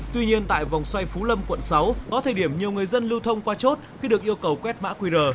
tuy nhiên tại vòng xoay phú lâm quận sáu có thời điểm nhiều người dân lưu thông qua chốt khi được yêu cầu quét mã qr